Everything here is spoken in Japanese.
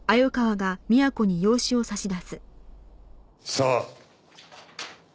さあ。